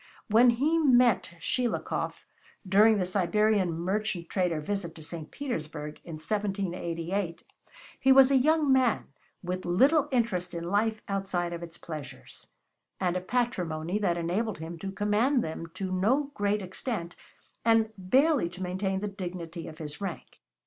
When he met Shelikov, during the Siberian merchant trader's visit to St. Petersburg in 1788, he was a young man with little interest in life outside of its pleasures, and a patrimony that enabled him to command them to no great extent and barely to maintain the dignity of his rank.